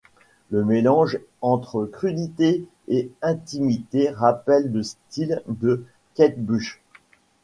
Le mélange entre crudité et intimité rappelle le style de Kate Bush.